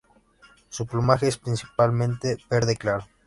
Su plumaje es principalmente verde claro.